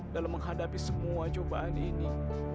dalam menghadapi semua cobaan ini